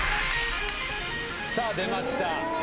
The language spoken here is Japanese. さぁ出ました。